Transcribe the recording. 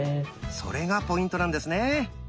それがポイントなんですね。